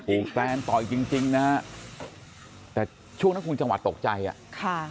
อู๋แตนต่อยจริงนะฮะแต่ช่วงนั้นคุณจังหวัดตกใจอ่ะ